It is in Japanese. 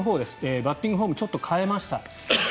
バッティングフォームちょっと変えました。